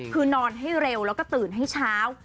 คือนอนให้เร็วแล้วก็ตื่นให้เช้า